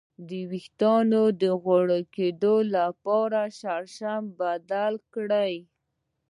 د ویښتو د غوړ کیدو لپاره شیمپو بدل کړئ